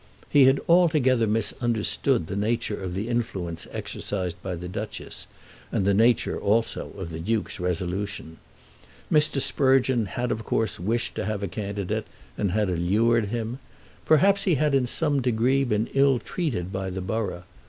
He had altogether misunderstood the nature of the influence exercised by the Duchess, and the nature also of the Duke's resolution. Mr. Sprugeon had of course wished to have a candidate, and had allured him. Perhaps he had in some degree been ill treated by the borough.